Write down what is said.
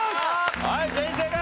はい全員正解！